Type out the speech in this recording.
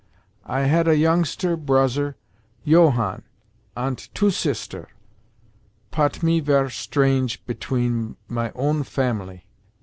I had a youngster broser Johann ant two sister, pot me vere strange petween my own family.